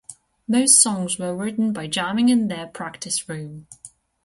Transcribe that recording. Most songs were written by jamming in their practice room.